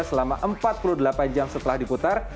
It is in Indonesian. selama empat puluh delapan jam setelah diputar